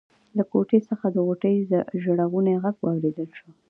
له کوټې څخه د غوټۍ ژړغونی غږ واورېدل شو.